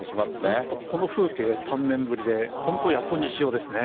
本当、この風景、３年ぶりで本当、やっと日常ですね。